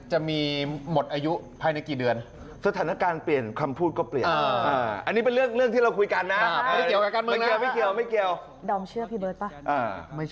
หมายถึงพี่เบิ้ดนะ